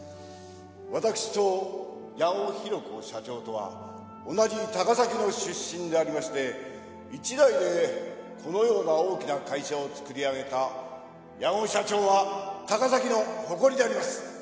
私と矢後弘子社長とは同じ高崎の出身でありまして一代でこのような大きな会社を作り上げた矢後社長は高崎の誇りであります。